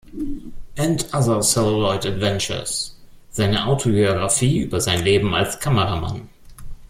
And Other Celluloid Adventures" seine Autobiografie über sein Leben als Kameramann.